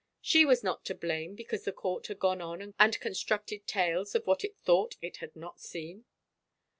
She was not to blame because the court had gone on and constructed tales of what it thought it had not seen.